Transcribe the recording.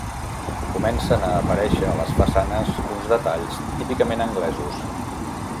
Comencen a aparèixer a les façanes uns detalls típicament anglesos.